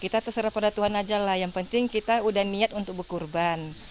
kita terserah pada tuhan aja lah yang penting kita udah niat untuk berkurban